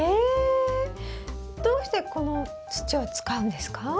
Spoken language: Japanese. どうしてこの土を使うんですか？